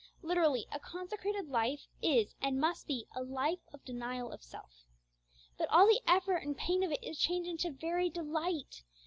Literally, a consecrated life is and must be a life of denial of self. But all the effort and pain of it is changed into very delight.